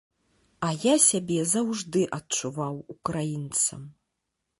А я сябе заўжды адчуваў украінцам.